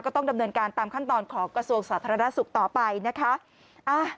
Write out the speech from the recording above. ต้องดำเนินการตามขั้นตอนของกระทรวงสาธารณสุขต่อไปนะคะ